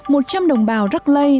một trăm đồng bào rắc lây